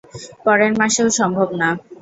পরের মাসেও সম্ভব না।